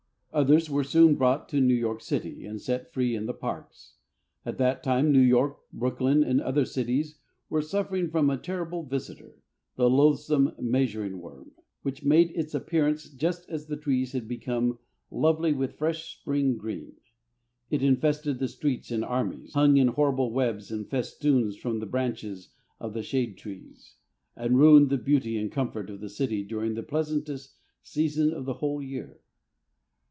Others were soon brought to New York city, and set free in the parks. At that time New York, Brooklyn, and other cities were suffering from a terrible visitor, the loathsome measuring worm, which made its appearance just as the trees had become lovely with fresh spring green. It infested the streets in armies, hung in horrible webs and festoons from the branches of the shade trees, and ruined the beauty and comfort of the city during the pleasantest season of the whole year.